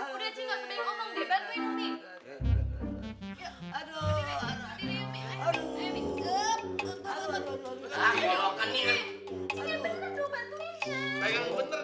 udah cing gak sebaik ngomong deh bantuin nih